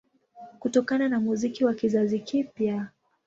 Kutokana na muziki wa kizazi kipya